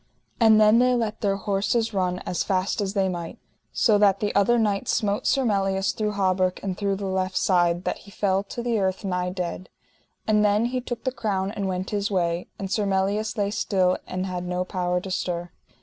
And then they let their horses run as fast as they might, so that the other knight smote Sir Melias through hauberk and through the left side, that he fell to the earth nigh dead. And then he took the crown and went his way; and Sir Melias lay still and had no power to stir.